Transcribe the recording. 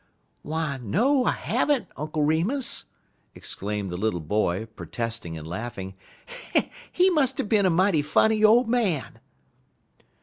"Why, no, I have n't, Uncle Remus!" exclaimed the little boy, protesting and laughing. "He must have been a mighty funny old man."